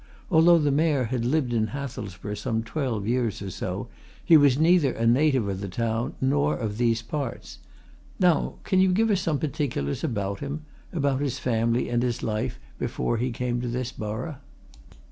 Although the Mayor had lived in Hathelsborough some twelve years or so, he was neither a native of the town nor of these parts. Now, can you give us some particulars about him about his family and his life before he came to this borough?"